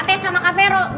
terus kalian bisa ngeremehkan